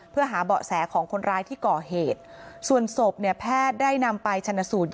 เพื่อหาเบาะแสของคนร้ายที่ก่อเหตุ